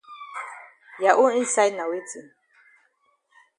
Ya own inside na weti.